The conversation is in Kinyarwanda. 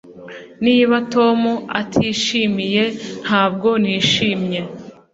Niba Tom atishimiye ntabwo nishimye